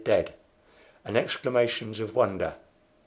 dead!) and exclamations of wonder.